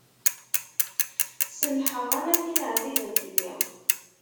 Semmḥeɣ-am a tin ɛzizen fell-i.